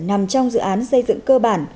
nằm trong dự án xây dựng cơ bản